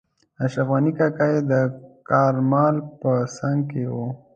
اشرف غني کاکا یې د کارمل په څنګ کې وو.